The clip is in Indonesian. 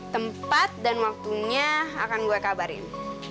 tempat dan waktunya akan gue kabarin